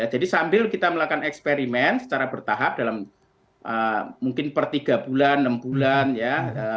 jadi sambil kita melakukan eksperimen secara bertahap dalam mungkin per tiga bulan enam bulan ya